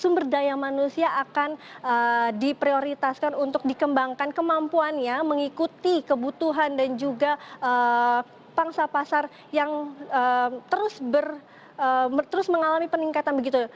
sumber daya manusia akan diprioritaskan untuk dikembangkan kemampuannya mengikuti kebutuhan dan juga pangsa pasar yang terus mengalami peningkatan begitu